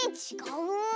うん。